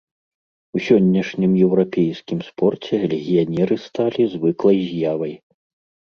У сённяшнім еўрапейскім спорце легіянеры сталі звыклай з'явай.